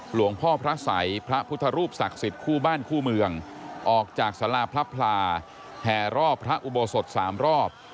หลวงพ่อพระสัยพระพุทธรูปศักดิ์สิทธิ์คู่บ้านคู่เมืองออกจากสาราพระพลาแห่รอบพระอุโบสถ๓รอบ